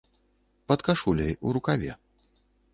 Пад кашуляй, у рукаве.